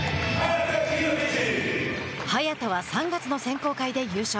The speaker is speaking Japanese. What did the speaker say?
早田は３月の選考会で優勝。